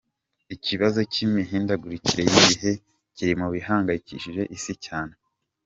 Ikibazo cy’imihindagurikire y’ibihe kiri mu bihangayikishije isi cyane.